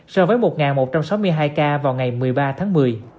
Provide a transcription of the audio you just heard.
so với một một trăm sáu mươi hai ca vào ngày một mươi ba tháng một mươi